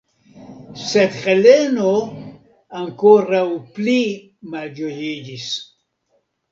Sed Heleno ankoraŭ pli malĝojiĝis.